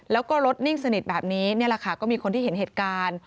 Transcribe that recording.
แล้วก็รถนิ่งสนิทแบบนี้นี่แหละค่ะก็มีคนที่เห็นเหตุการณ์